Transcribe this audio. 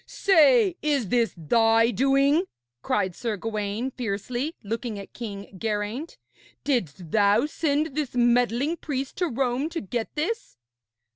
'Say, is this thy doing?' cried Sir Gawaine fiercely, looking at King Geraint. 'Didst thou send this meddling priest to Rome to get this?'